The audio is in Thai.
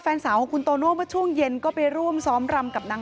และนักงานของรภาพของเรา